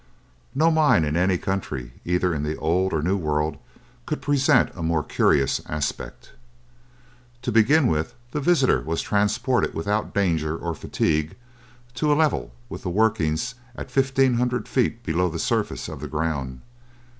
No mine in any country, either in the Old or New World, could present a more curious aspect. To begin with, the visitor was transported without danger or fatigue to a level with the workings, at fifteen hundred feet below the surface of the ground.